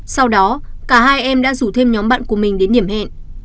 sau đó cả hai em đã rủ thêm nhóm bạn của mình đến điểm hẹn